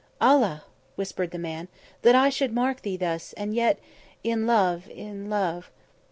"Allah!" whispered the man, "that I should mark thee thus and yet, in love in love!"